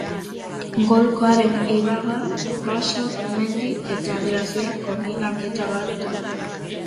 Golkoaren ibarra, baso, mendi eta glaziar konbinaketa bat da.